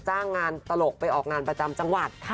จ้างงานตลกไปออกงานประจำจังหวัด